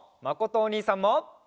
まことおにいさんも。